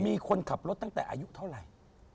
มีคนขับรถตั้งแต่อายุเท่าไหร่